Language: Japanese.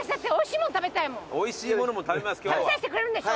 食べさしてくれるんでしょ？